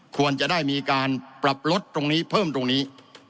ควรจะได้มีการปรับลดตรงนี้เพิ่มตรงนี้